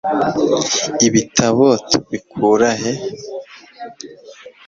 ibitabo tubikura he